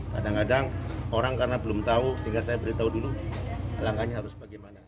kadang kadang orang karena belum tahu sehingga saya beritahu dulu langkahnya harus bagaimana